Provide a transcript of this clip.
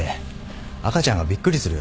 赤ちゃんがびっくりするよ。